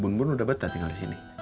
bun bun udah betah tinggal disini